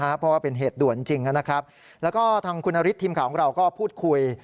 เพราะว่าเป็นเหตุด่วนจริงนะครับแล้วก็ทางคุณนฤทธิ์ข่าวของเราก็พูดคุย